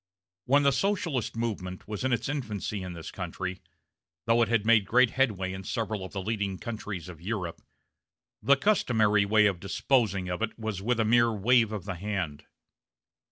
When the Socialist movement was in its infancy in this country though it had made great headway in several of the leading countries of Europe the customary way of disposing of it was with a mere wave of the hand.